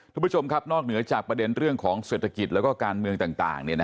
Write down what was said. คุณผู้ชมครับนอกเหนือจากประเด็นเรื่องของเศรษฐกิจและการเมืองต่าง